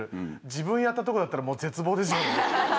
自分やった所だったら、もう絶望ですよね。